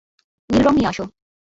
নীল রং নিয়ে আসো।